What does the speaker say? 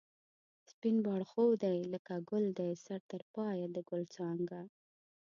سپین باړخو دی لکه گل دی سر تر پایه د گل څانگه